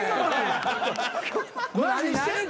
何してんの？